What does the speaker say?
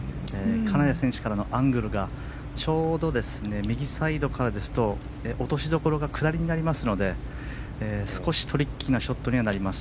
金谷選手からのアングルがちょうど右サイドからですと落としどころが下りになりますので少しトリッキーなショットにはなります。